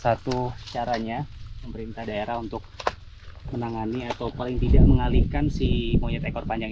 satu caranya pemerintah daerah untuk menangani atau paling tidak mengalihkan si monyet ekor panjang